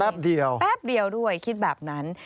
แป๊บเดียวแป๊บเดียวด้วยคิดแบบนั้น